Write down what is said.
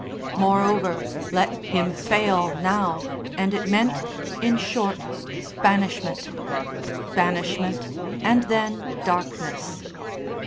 Moreover, let him fail now, and it meant, in short, banishment banishment and then darkness.